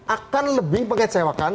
akan lebih mengecewakan